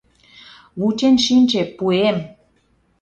— Вучен шинче — пуэм!